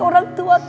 orang tua kita